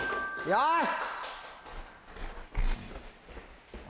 よし！